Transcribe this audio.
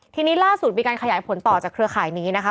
ทีนี้ล่าสุดมีการขยายผลต่อจากเครือข่ายนี้นะคะ